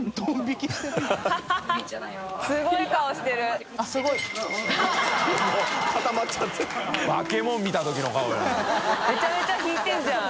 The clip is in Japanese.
きりや）めちゃめちゃ引いてるじゃん。